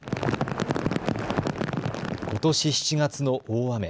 ことし７月の大雨。